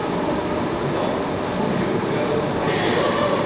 なんかこう見ると、寺門さんも入っているように見えますよ。